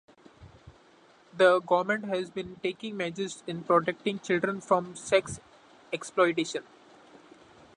The government has been taking measures in protecting children from sex exploitation.